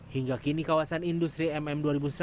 hingga kini kawasan industri mm dua ribu seratus